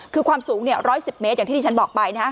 คือความสูง๑๑๐เมตรอย่างที่ที่ฉันบอกไป